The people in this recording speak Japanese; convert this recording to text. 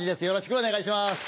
よろしくお願いします。